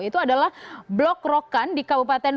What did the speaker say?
itu adalah blok rokan di kabupaten